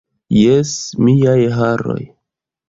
Jes, miaj haroj.